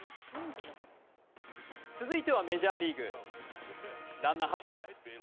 続いてはメジャーリーグランナー走った。